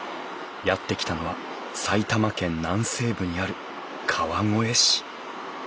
やって来たのは埼玉県南西部にある川越市